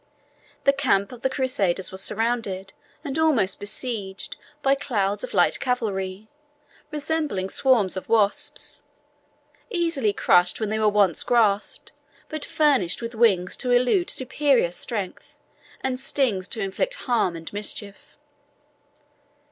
The camp of the Crusaders was surrounded, and almost besieged, by clouds of light cavalry, resembling swarms of wasps, easily crushed when they are once grasped, but furnished with wings to elude superior strength, and stings to inflict harm and mischief.